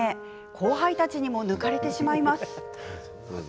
後輩たちにも抜かれてしまいます。